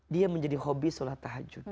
dia menjadi hobi sholat tahajud